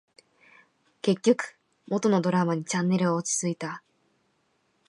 結局、元のドラマにチャンネルは落ち着いた